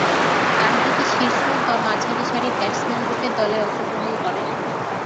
ডানহাতি শীর্ষ/মাঝারী সারির ব্যাটসম্যানরূপে দলে অংশগ্রহণ করেন।